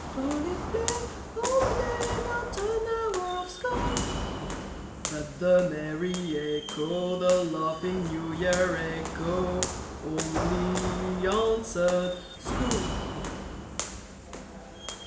Frolic, play, all the day, Not an hour of school?" But the merry echo, The laughing New Year echo, Only answered, "School!"